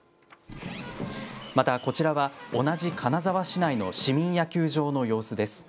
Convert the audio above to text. また、こちらは同じ金沢市内の市民野球場の様子です。